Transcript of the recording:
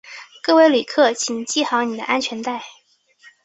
各位旅客请系好你的安全带